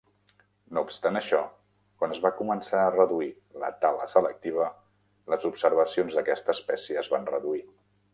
No obstant això, quan es va començar a reduir la tala selectiva, les observacions d'aquesta espècie es van reduir.